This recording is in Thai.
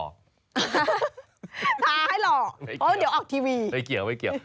ทาให้หล่อเพราะเดี๋ยวออกทีวีไม่เกี่ยว